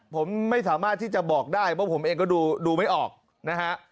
ผมไม่สามารถที่จะบอกได้เพราะผมเองก็ดูไม่ออกนะฮะ